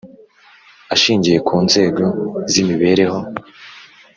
ashingiye ku nzego z’imibereho